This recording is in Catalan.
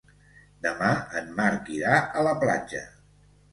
Demà en Marc irà a la platja.